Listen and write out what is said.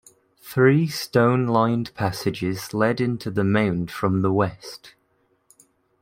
Three stone-lined passages lead into the mound from the west.